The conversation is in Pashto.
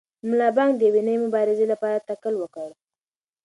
ملا بانګ د یوې نوې مبارزې لپاره تکل وکړ.